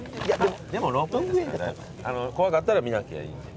怖かったら見なけりゃいいんで。